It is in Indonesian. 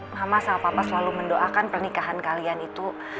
mama sama papa selalu mendoakan pernikahan kalian itu